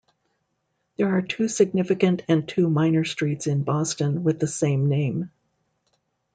There are two significant and two minor streets in Boston with the same name.